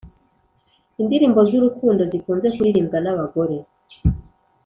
Indirimbo z’urukundo zikunze kuririmbwa n’abagore